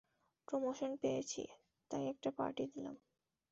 Promotion পেয়েছি, তাই একটা পার্টি দিলাম।